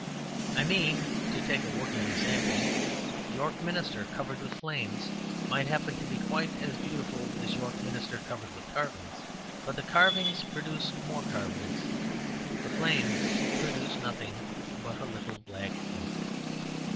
I mean (to take a working example), York Minster covered with flames might happen to be quite as beautiful as York Minster covered with carvings. But the carvings produce more carvings. The flames produce nothing but a little black heap.